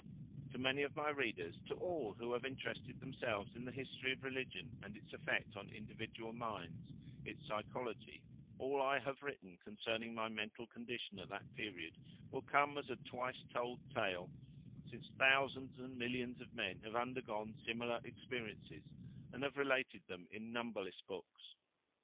To many of my readers, to all who have interested themselves in the history of religion and its effect on individual minds its psychology all I have written concerning my mental condition at that period, will come as a twice told tale, since thousands and millions of men have undergone similar experiences and have related them in numberless books.